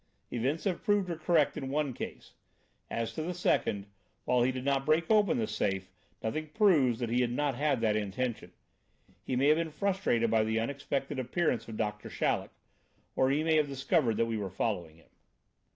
Events have proved her correct in one case. As to the second, while he did not break open the safe, nothing proves that he had not that intention. He may have been frustrated by the unexpected appearance of Doctor Chaleck, or he may have discovered that we were following him."